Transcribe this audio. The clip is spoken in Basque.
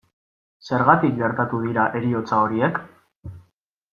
Zergatik gertatu dira heriotza horiek?